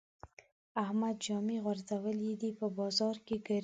احمد جامې غورځولې دي؛ په بازار کې ګرځي.